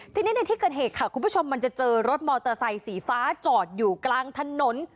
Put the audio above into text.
ทีนี้ในที่เกิดเหตุค่ะคุณผู้ชมมันจะเจอรถมอเตอร์ไซค์สีฟ้าจอดอยู่กลางถนน